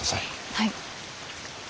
はい。